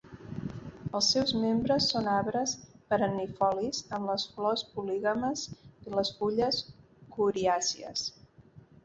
Els seus membres són arbres perennifolis amb les flors polígames i les fulles coriàcies.